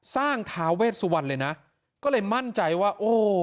ทาเวสวรรณเลยนะก็เลยมั่นใจว่าโอ้